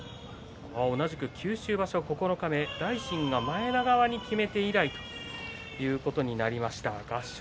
同じく九州場所九日目大心が前田川にきめて以来ということになりました。